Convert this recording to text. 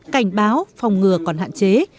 cảnh báo phòng ngừa còn hạn chế